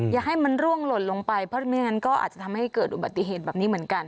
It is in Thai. อย่าให้มันร่วงหล่นลงไปเพราะไม่งั้นก็อาจจะทำให้เกิดอุบัติเหตุแบบนี้เหมือนกัน